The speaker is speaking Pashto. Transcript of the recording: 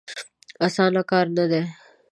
اسانه کار نه دی.